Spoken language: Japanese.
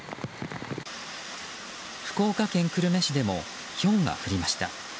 福岡県久留米市でもひょうが降りました。